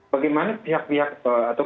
bagaimana pihak pihak atau